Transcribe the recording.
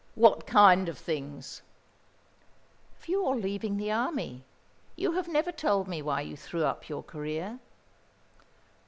"What kind of things?" "Of your leaving the Army. You have never told me why you threw up your career."